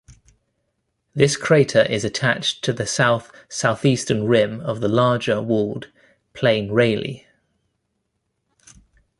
This crater is attached to the south-southeastern rim of the larger walled plain Rayleigh.